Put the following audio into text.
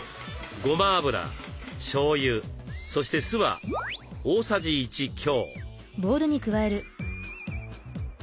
ごま油しょうゆそして酢は大さじ１強。